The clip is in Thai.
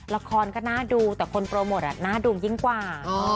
ละครก็น่าดูแต่คนโปรโมทน่าดูยิ่งกว่า